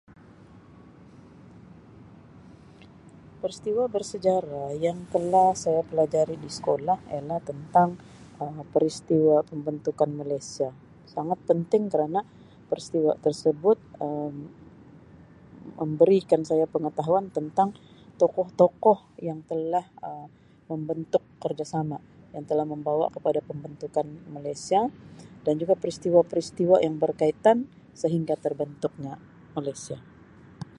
Peristiwa bersejarah yang telah saya pelajari di sekolah ialah tentang Um peristiwa pembentukan Malaysia sangat penting kerana peristiwa tersebut Um memberikan saya pengetahuan tentang tokoh-tokoh yang telah Um membentuk kerjasama yang telah membawa kepada pembentukan Malaysia dan juga peristiwa-peristiwa yang berkaitan sehingga terbentuknya Malaysia.